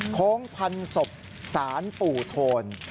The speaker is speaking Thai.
โค้งพันศพสารปู่โทน